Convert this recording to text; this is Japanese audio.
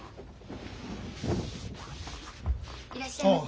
いらっしゃいませ。